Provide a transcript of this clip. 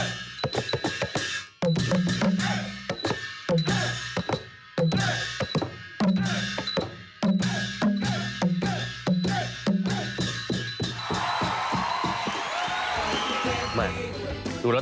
สวัสดีครับ